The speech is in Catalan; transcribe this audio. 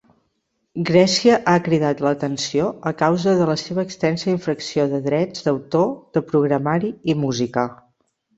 Grècia ha cridat l'atenció a causa de la seva extensa infracció de drets d'autor de programari i música.